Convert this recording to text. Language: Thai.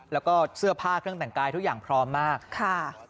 แล้วก็เสื้อผ้าเครื่องแต่งกายทุกอย่างพร้อมมากค่ะ